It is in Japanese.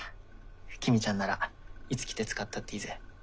公ちゃんならいつ来て使ったっていいぜ。